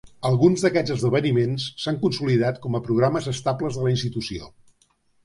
Alguns d'aquests esdeveniments s'han consolidat com a programes estables de la Institució.